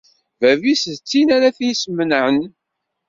Bab-is d tin ara t-yesmenɛen.